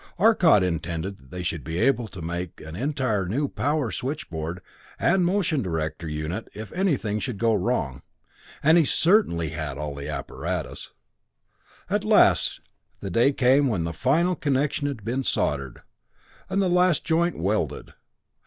Arcot intended that they should be able to make an entire new power switchboard and motion director unit if anything should go wrong, and he certainly had all the apparatus. At last came the day when the final connection had been soldered, and the last joint welded.